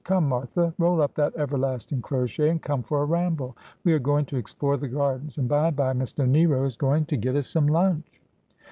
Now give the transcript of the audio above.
Come, Martha, roll up that everlasting crochet, and come for a ramble. We are going to explore the gardens, and by and by Mr. Nero is going to get us some lunch.'